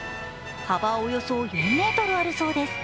幅およそ４ｍあるそうです。